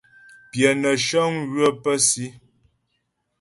Pyə nə́ shəŋ ywə pə́ si.